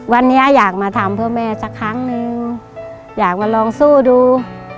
วันนี้อยากมาทำเพื่อแม่สักครั้งนึงอยากมาลองสู้ดู